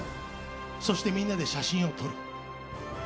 そして、みんなで写真を撮る。